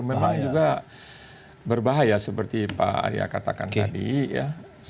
kalau nggak diatur memang juga berbahaya seperti pak arya katakan tadi ya